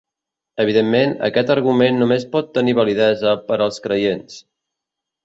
Evidentment, aquest argument només pot tenir validesa per als creients.